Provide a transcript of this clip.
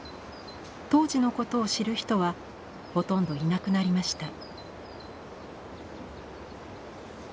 当時のことを知る人はほとんどいなくなりました。